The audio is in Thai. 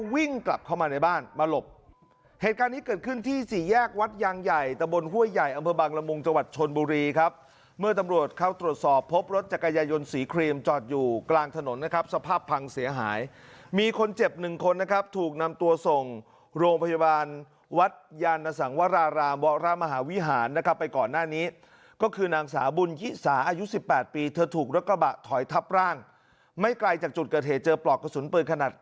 วิ่งกลับเข้ามาในบ้านมาหลบเหตุการณ์นี้เกิดขึ้นที่๔แยกวัดยางใหญ่ตะบนห้วยใหญ่อำเภอบังละมุงจังหวัดชนบุรีครับเมื่อตำรวจเข้าตรวจสอบพบรถจักรยยนต์สีครีมจอดอยู่กลางถนนนะครับสภาพพังเสียหายมีคนเจ็บ๑คนนะครับถูกนำตัวส่งโรงพยาบาลวัดยานสังวรรารามวรมหาวิหารนะครับไปก่อนหน